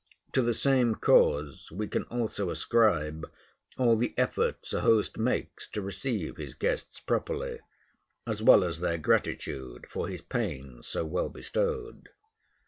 To the same cause we can also ascribe all the efforts a host makes to receive his guests properly, as well as their gratitude for his pains so well bestowed.